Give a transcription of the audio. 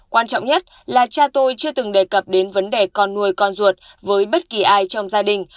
quan trọng nhất là cha tôi chưa từng đề cập đến vấn đề con nuôi con ruột với bất kỳ ai trong gia đình